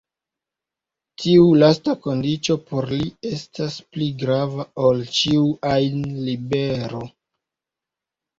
Tiu lasta kondiĉo por li estas pli grava ol ĉiu ajn libero.